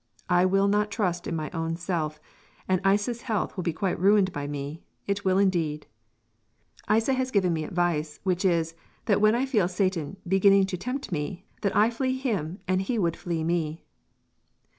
I will not trust in my own selfe, and Isa's health will be quite ruined by me it will indeed." "Isa has giving me advice, which is, that when I feel Satan beginning to tempt me, that I flea him and he would flea me."